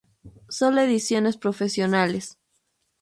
Solo ediciones profesionales.